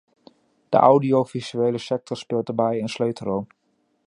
De audiovisuele sector speelt daarbij een sleutelrol.